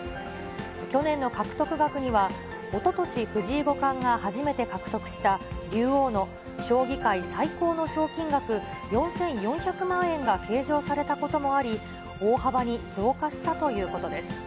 去年の獲得額にはおととし、藤井五冠が初めて獲得した、竜王の将棋界最高の賞金額、４４００万円が計上されたこともあり、大幅に増加したということです。